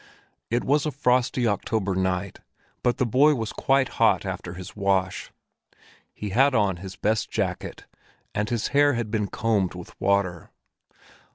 It was a frosty October morning, but the boy was quite hot after his wash. He had on his best jacket, and his hair had been combed with water.